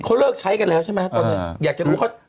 เขาเลิกใช้กันแล้วใช่ไหมตอนนั้นอยากจะรู้เขา